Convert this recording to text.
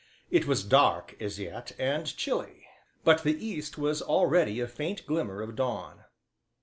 It was dark as yet, and chilly, but in the east was already a faint glimmer of dawn.